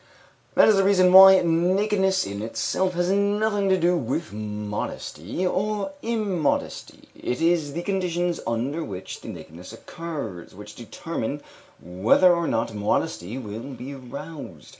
That is the reason why nakedness in itself has nothing to do with modesty or immodesty; it is the conditions under which the nakedness occurs which determine whether or not modesty will be roused.